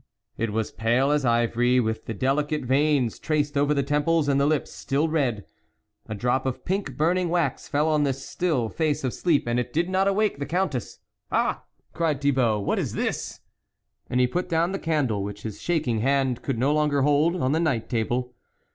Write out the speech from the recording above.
It was pale as ivory, with the delicate veins traced over the temples, and the lips still red. A drop of pink burning wax fell on this still face of sleep ; it did not awake the Countess. " Ah !" cried Thibault, "what is this?" and he put down the candle, which his shaking hand could no longer hold, on the night table.